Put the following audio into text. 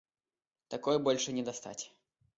Такой больше не достать.